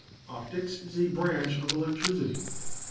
Optics is a branch of electricity.